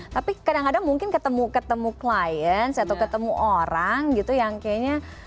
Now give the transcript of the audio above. tapi kadang kadang mungkin ketemu ketemu klience atau ketemu orang gitu yang kayaknya